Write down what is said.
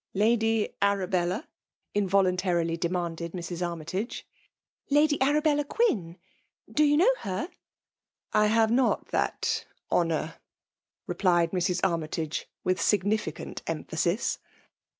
" Lady Arabella ?" involuntarily demanded Mrs. Armytage Lady Arabella Qatn. Do you know her? I have not that honour/* replied Mrs. Ar mytage, with significant emphasis.